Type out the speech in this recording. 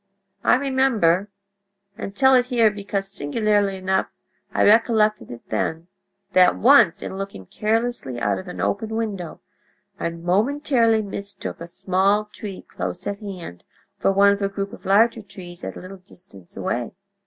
I remember—and tell it here because, singularly enough, I recollected it then—that once, in looking carelessly out of an open window, I momentarily mistook a small tree close at hand for one of a group of larger trees at a little distance away.